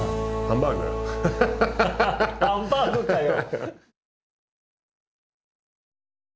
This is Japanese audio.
ハンバーグかよ！